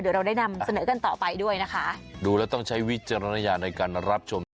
เดี๋ยวเราได้นำเสนอกันต่อไปด้วยนะคะดูแล้วต้องใช้วิจารณญาณในการรับชมด้วย